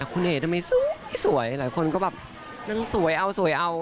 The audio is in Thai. คุณเอ๋ทำไมสวยหลายคนก็แบบนางสวยเอาสวยเอา